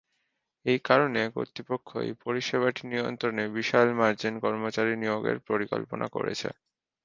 এই কারণে কর্তৃপক্ষ এই পরিষেবাটি নিয়ন্ত্রণে বিশাল মার্জিন কর্মচারী নিয়োগের পরিকল্পনা করেছে।